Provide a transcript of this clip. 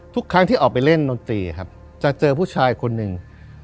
ทุกครั้งที่ออกไปเล่นดนตรีครับจะเจอผู้ชายคนหนึ่ง